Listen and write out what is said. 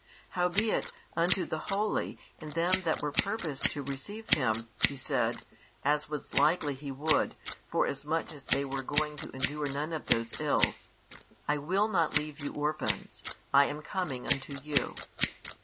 Howbeit, unto the holy and them that were purposed to receive Him, He said, as was likely He would, forasmuch as they were going to endure none of those ills, I will not leave you orphans, I am coming unto you.